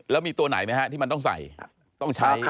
แล้วมีตัวไหนไหมฮะที่มันต้องใส่ต้องใช้